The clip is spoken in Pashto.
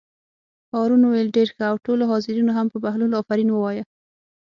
هارون وویل: ډېر ښه او ټولو حاضرینو هم په بهلول آفرین ووایه.